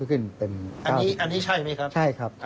อันนี้ใช่ไหมครับอเจมส์นใช่ครับ